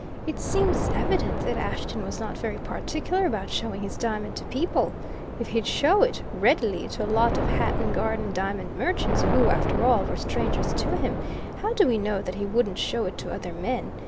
"It seems evident that Ashton was not very particular about showing his diamond to people! If he'd show it readily to a lot of Hatton Garden diamond merchants, who, after all, were strangers to him, how do we know that he wouldn't show it to other men?